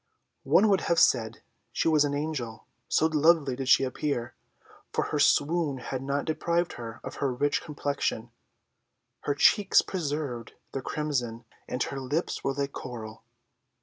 One would have said she was an angel, so lovely did she appear for her swoon had not deprived her of her rich complexion: her cheeks preserved their crimson, and her lips were like coral.